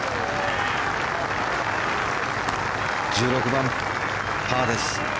１６番、パーです。